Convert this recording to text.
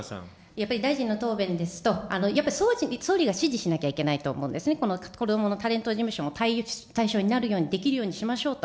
やっぱり大臣の答弁ですと、やっぱ総理が指示しなきゃいけないと思うんですね、この子どものタレント事務所の対象になるように、できるようにしましょうと。